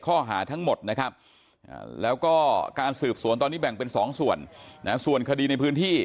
ข้อหาทั้งหมดนะครับแล้วก็การสืบสวนตอนนี้แบ่งเป็น๒ส่วนส่วนคดีในพื้นที่